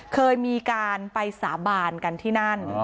เคยมีการไปสาบานกันที่นั่น